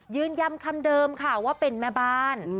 ยืนยันคำเดิมค่ะว่าเป็นแม่บ้าน